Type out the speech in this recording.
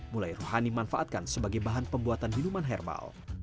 mulai rohani manfaatkan sebagai bahan pembuatan minuman herbal